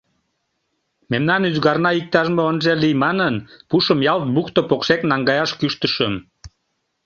Мемнан ӱзгарна иктаж-мо ынже лий манын, пушым ялт бухто покшек наҥгаяш кӱштышым.